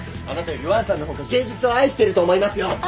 あなたより王さんの方が芸術を愛してると思いますよ！